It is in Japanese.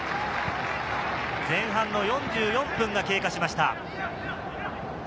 前半の４４分が経過しました。